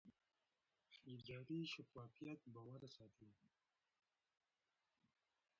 اداري شفافیت باور ساتي